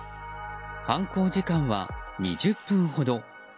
犯行時間は２０分ほど。